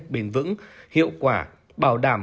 bền vững và tốt hơn